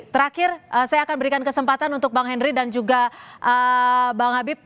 terakhir saya akan berikan kesempatan untuk bang henry dan juga bang habib